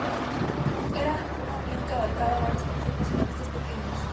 Era una unión que abarcaba a varios partidos nacionalistas pequeños.